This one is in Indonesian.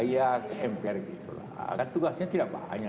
ya mpr gitu lah kan tugasnya tidak banyak